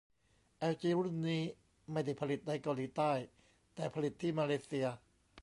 แอลจีรุ่นนี้ไม่ได้ผลิตในเกาหลีใต้ แต่ผลิตที่มาเลเซีย